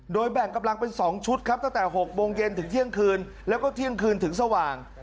โดยแบ่งกำลังเป็น๒ชุดครับตั้งแต่๖โมงเย็นถึงเที่ยงคืนแล้วก็เที่ยงคืนถึงสว่าง